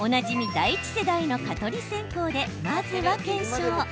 第一世代の蚊取り線香でまずは検証。